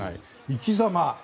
生きざま。